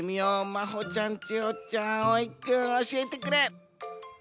まほちゃん・ちほちゃん・あおいくんおしえてくれ。